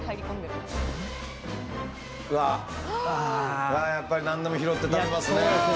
うわ、やっぱり何でも拾って食べますね。